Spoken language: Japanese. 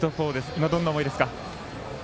今、どんな思いですか。